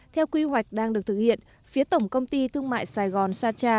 theo quy hoạch đang được thực hiện phía tổng công ty thương mại sài gòn sacha